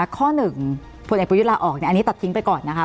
ข้อหนึ่งผลไอ้ผู้ยุตราออกอันนี้ตัดทิ้งไปก่อนนะคะ